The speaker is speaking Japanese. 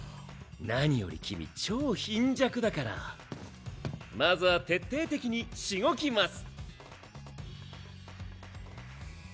何より君超貧弱だからまずは徹底的にしごきます！